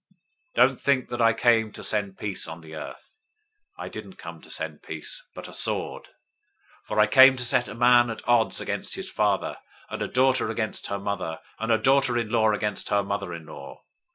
010:034 "Don't think that I came to send peace on the earth. I didn't come to send peace, but a sword. 010:035 For I came to set a man at odds against his father, and a daughter against her mother, and a daughter in law against her mother in law.